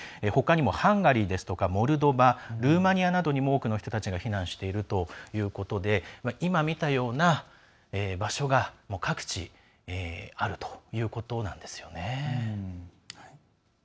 ほかにもハンガリー、モルドバルーマニアなどにも多くの人たちがいるということで今みたような場所が各地あるということなんですよね。